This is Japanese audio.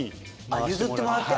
譲ってもらって。